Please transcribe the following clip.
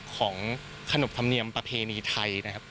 ขนบธรรมเนียมประเพณีไทยนะครับ